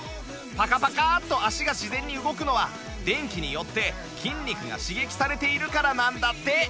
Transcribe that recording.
パカパカっと足が自然に動くのは電気によって筋肉が刺激されているからなんだって